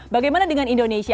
bagaimana dengan indonesia